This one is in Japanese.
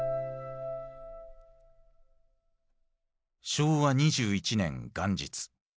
昭和２１年元日。